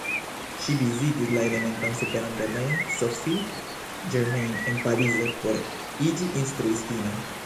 Ŝi vizitis la elementan superan lernejon Sophie Germain en Parizo por iĝi instruistino.